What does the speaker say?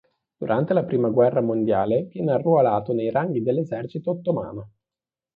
Durante la prima guerra mondiale viene arruolato nei ranghi dell'esercito ottomano.